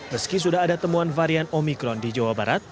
meski sudah ada temuan varian omikron di jawa barat